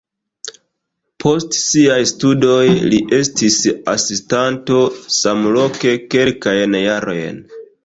Post siaj studoj li estis asistanto samloke kelkajn jarojn.